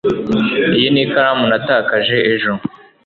Iyi ni ikaramu natakaje ejo